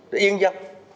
đấy yên chưa